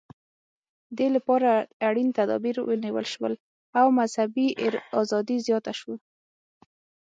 دې لپاره اړین تدابیر ونیول شول او مذهبي ازادي زیاته شوه.